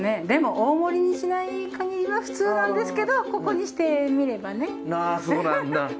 でも大盛りにしないかぎりは普通なんですけどここにしてみればね。